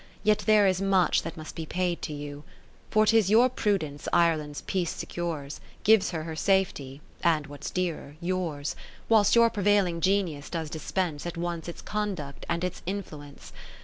Yet there is much that must be paid to you : For 'tis your prudence Ireland's peace secures, Gives her her safety, and (what's dearer) yours, Whilst your prevailing Genius does dispense. At once its conduct and its influence.